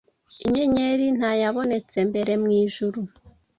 Inyenyeri, ntayabonete mbere mwijuru